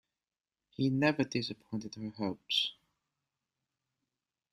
He never disappointed her hopes.